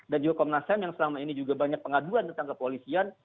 dan juga komnasam yang selama ini juga banyak pengaduan tentang kepolisian